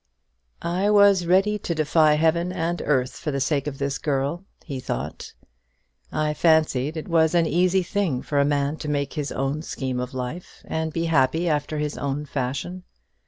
"I was ready to defy heaven and earth for the sake of this girl," he thought. "I fancied it was an easy thing for a man to make his own scheme of life, and be happy after his own fashion.